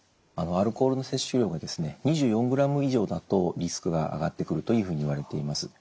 アルコールの摂取量がですね２４グラム以上だとリスクが上がってくるというふうにいわれています。